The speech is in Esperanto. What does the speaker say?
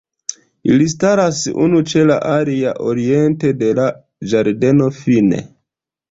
Ili staras unu ĉe la alia oriente de la Ĝardeno Fin.